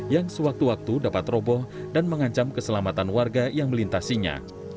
yang sewaktu waktu dapat roboh dan mengancam keselamatan warga yang melintasinya